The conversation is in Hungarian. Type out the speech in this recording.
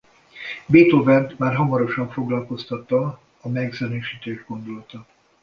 Beethovent már hamarosan foglalkoztatta a megzenésítés gondolata.